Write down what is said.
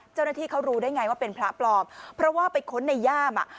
เจ้าหน้าที่เขารู้ได้ไงว่าเป็นพระปลอมเพราะว่าไปค้นในย่ามอ่ะ